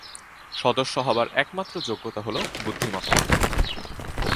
সদস্য হবার একমাত্র যোগ্যতা হলো বুদ্ধিমত্তা।